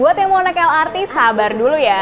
buat yang mau naik lrt sabar dulu ya